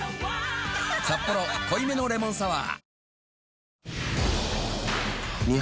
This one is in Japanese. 「サッポロ濃いめのレモンサワー」